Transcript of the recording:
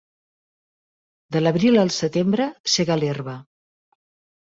De l'abril al setembre sega l'herba.